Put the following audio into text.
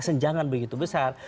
kesenjangan begitu besar